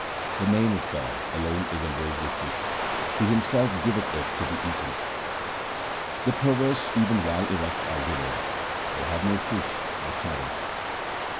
The name of God alone is ambrosial fruit ; He Himself giveth it to be eaten. The perverse even while erect are withered ; they have no fruit or shadow.